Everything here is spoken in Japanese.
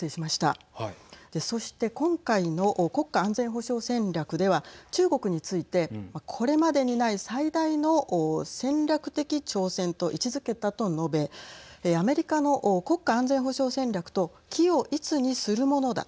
そして今回の国家安全保障戦略では中国についてこれまでにない最大の戦略的挑戦と位置づけたと述べアメリカの国家安全保障戦略と軌を一にするものだ。